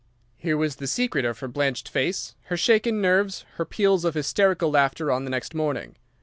"Here was the secret of her blanched face, her shaken nerves, her peals of hysterical laughter on the next morning.